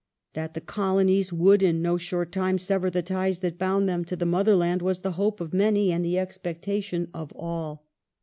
That the Colonies would in no short time sever the ties that bound them to the motherland was the hope of many and the expectation of all.